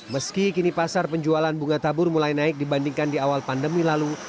meski kini pasar penjualan bunga tabur mulai naik dibandingkan di awal pandemi lalu